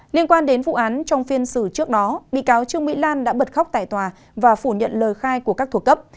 liên quan đến vụ án trong phiên xử trước đó bị cáo trương mỹ lan đã bật khóc tại tòa và phủ nhận lời khai của các thuộc cấp